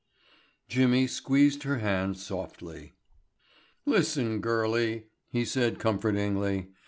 Jimmy squeezed her hand softly. "Listen, girlie," he said comfortingly.